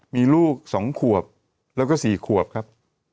มีลูก๒ขวบแล้วก็๔ขวบครับ